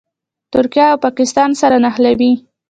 ترکیه او پاکستان سره نښلوي.